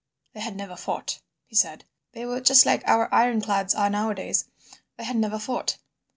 "They had never fought," he said. "They were just like our ironclads are nowadays; they had never fought.